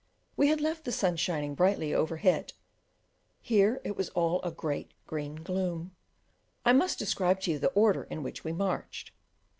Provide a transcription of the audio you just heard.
We had left the sun shining brightly overhead; here it was all a "great green gloom." I must describe to you the order in which we marched.